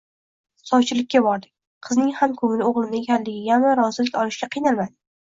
Sovchilikka bordik, qizning ham ko`ngli o`g`limda ekanligigami, rozilik olishga qiynalmadik